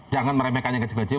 jangan meremehkannya kecil kecil